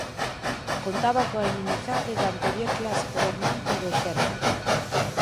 Contaba coa inimizade da anterior clase gobernante e do exército.